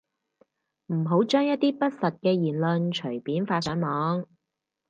唔好將一啲不實嘅言論隨便發上網